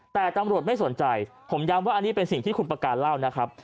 แต่ตำรวจไม่สนใจผมย้ำว่าอันนี้เป็นสิ่งที่คุณประการเล่านะครับ